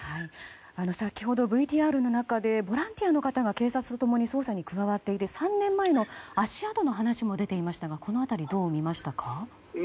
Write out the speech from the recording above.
先ほどＶＴＲの中でボランティアの方が警察と共に捜査に加わっていて３年前の足跡の話も出ていましたが、この辺りどう見ましたか。